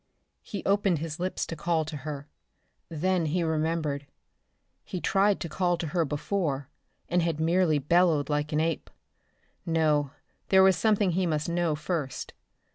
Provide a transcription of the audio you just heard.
He opened his lips to call to her. Then he remembered. He'd tried to call to her before and had merely bellowed like an ape. No, there was something he must know first.